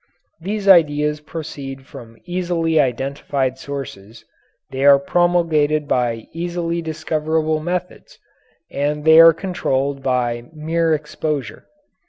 These ideas proceed from easily identified sources, they are promulgated by easily discoverable methods; and they are controlled by mere exposure.